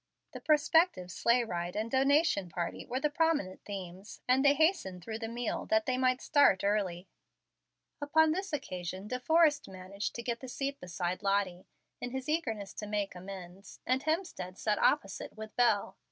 The prospective sleigh ride and donation party were the prominent themes, and they hastened through the meal that they might start early. Upon this occasion De Forrest managed to get the seat by Lottie, in his eagerness to make amends, and Hemstead sat opposite with Bel.